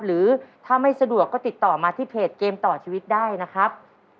หรือถ้าไม่สะดวกก็ติดต่อมาที่เพจเกมต่อชีวิตได้นะครับ